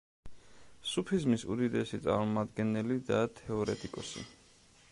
სუფიზმის უდიდესი წარმომადგენელი და თეორეტიკოსი.